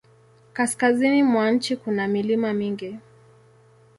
Kaskazini mwa nchi kuna milima mingi.